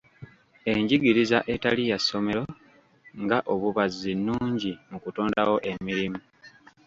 Enjigiriza etali ya ssomero nga obubazzi nnungi mu kutondawo emirimu.